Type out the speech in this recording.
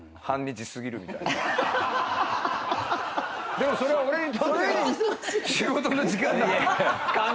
でもそれは俺にとっては仕事の時間だから。